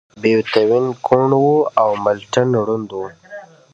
بيتووين کوڼ و او ملټن ړوند و.